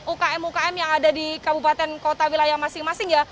ukm ukm yang ada di kabupaten kota wilayah masing masing ya